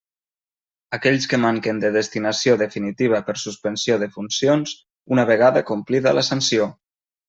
Aquells que manquen de destinació definitiva per suspensió de funcions, una vegada complida la sanció.